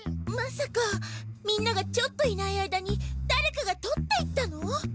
まさかみんながちょっといない間にだれかがとっていったの？